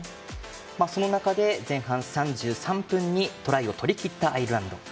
その中で前半３３分にトライを取りきったアイルランド。